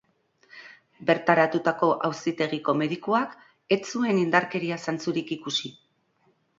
Bertaratutako auzitegiko medikuak ez zuen indarkeria zantzurik ikusi.